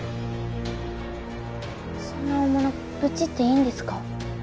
そんな大物ブチっていいんですか？